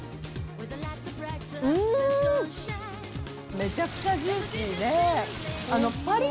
めちゃくちゃジューシーでパリっ！